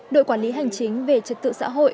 đội quản lý hành chính về trật tự xã hội